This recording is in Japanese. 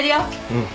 うん。